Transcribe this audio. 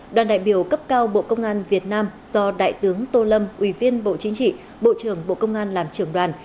đoàn đại biểu cấp cao bộ công an việt nam do đại tướng tô lâm ủy viên bộ chính trị bộ trưởng bộ công an làm trưởng đoàn